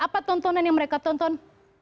apa tontonan yang mereka tonton